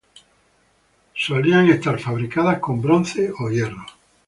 Solían estar fabricadas con bronce o hierro.